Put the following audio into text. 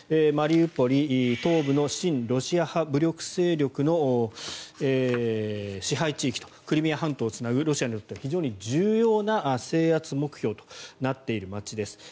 マリウポリ、東部の親ロシア派武装勢力の支配地域とクリミア半島をつなぐロシアにとっては非常に重要な制圧目標となっている街です。